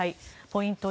ポイント２